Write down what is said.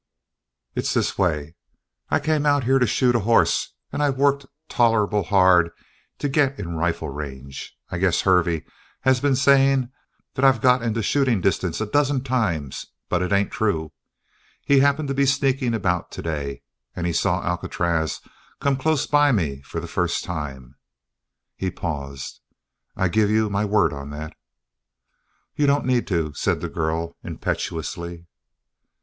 "It's this way. I come out here to shoot a hoss, and I've worked tolerable hard to get in rifle range. I guess Hervey has been saying that I've got into shooting distance a dozen times but it ain't true. He happened to be sneaking about to day, and he saw Alcatraz come close by me for the first time." He paused. "I'll give you my word on that." "You don't need to" said the girl, impetuously.